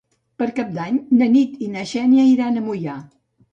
Per Cap d'Any na Nit i na Xènia iran a Moià.